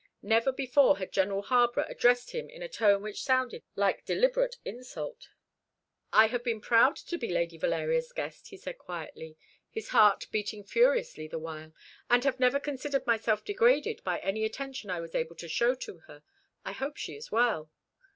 Never before had General Harborough addressed him in a tone which sounded like deliberate insult. "I have been proud to be Lady Valeria's guest," he said quietly, his heart beating furiously the while, "and have never considered myself degraded by any attention I was able to show to her. I hope she is well."